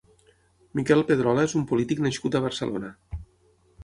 Miquel Pedrola és un polític nascut a Barcelona.